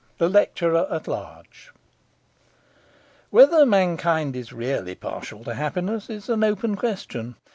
The Lecturer at Large Whether mankind is really partial to happiness is an open question.